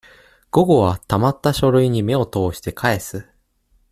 午後は、溜った書類に目を通して返す。